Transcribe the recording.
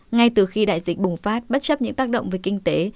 ngay từ khi đại dịch bùng phát bất chấp những tác động về kinh tế